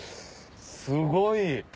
すごい。